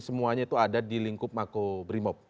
semuanya itu ada di lingkup mako brimob